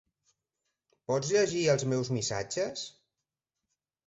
Pots llegir els meus missatges?